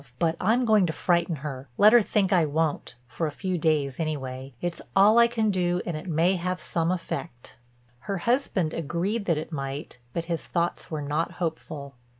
But I'm going to frighten her—let her think I won't—for a few days anyway. It's all I can do and it may have some effect." Her husband agreed that it might but his thoughts were not hopeful.